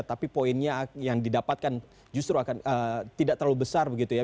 tapi poinnya yang didapatkan justru akan tidak terlalu besar begitu ya